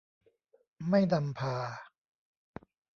ไม่นำพา